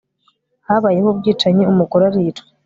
habayeho ubwicanyi, umugore aricwa